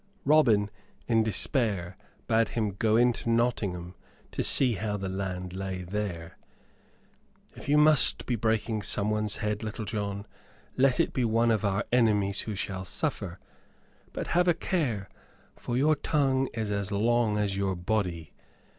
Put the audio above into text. Robin, in despair, bade him go into Nottingham, to see how the land lay there. "If you must be breaking someone's head, Little John, let it be one of our enemies who shall suffer. But have a care, for your tongue is as long as your body.